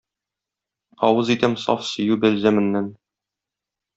Авыз итәм саф сөю бәлзәменнән.